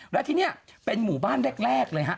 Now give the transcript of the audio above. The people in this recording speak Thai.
และที่นี่เป็นหมู่บ้านแรกเลยฮะ